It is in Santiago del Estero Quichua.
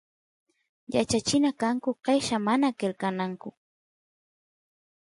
yachachina kanku qella mana qelqananku